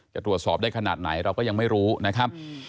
จะตรวจสอบได้ขนาดไหนเราก็ยังไม่รู้นะครับ